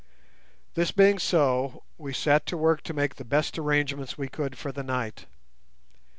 This being so, we set to work to make the best arrangements we could for the night.